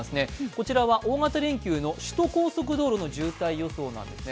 こらちは大型連休の首都高速道路の渋滞予想ですね。